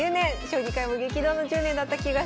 将棋界も激動の１０年だった気がします。